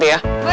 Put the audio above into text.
ya aku juga